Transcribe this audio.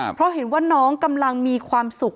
เพราะเห็นว่าน้องกำลังมีความสุข